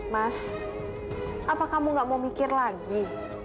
mas apa kamu gak mau mikir lagi